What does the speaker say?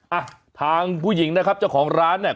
อ่ะทางผู้หญิงนะครับเจ้าของร้านเนี่ย